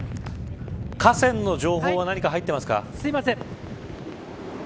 河川の情報は何か入ってますか。